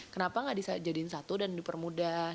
kenapa nggak dijadiin satu dan dipermudah